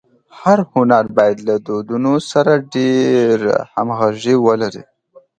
هر هنر باید له دودونو سره ډېره همږغي ولري.